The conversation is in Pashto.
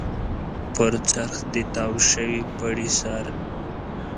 پر څرخ د تاو شوي پړي سر.